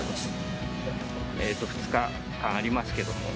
２日間ありますけども。